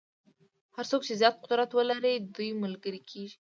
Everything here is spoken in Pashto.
هر څوک چې زیات قدرت ولري دوی ملګري کېږي.